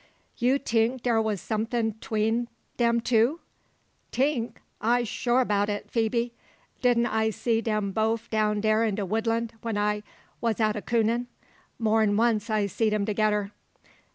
"You tink dar war something 'tween dem two?" "Tink! I'se shoo ob it, Phoebe. Didn't I see dem boaf down dar in de woodland, when I war out a coonin. More'n once I seed em togedder.